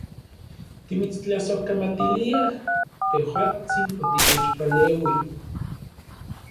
Timitstlasojkamatiliaj, tejuatsin, otitechpaleui.